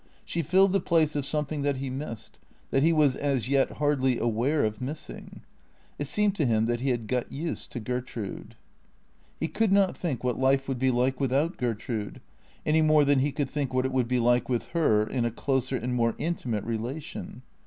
She filled the place of some thing that he missed, that he was as yet hardly aware of missing. It seemed to him that he had got used to Gertrude. He could not think what life would be like without Gertrude, any more than he could think what it would be like with her in a closer and more intimate relation.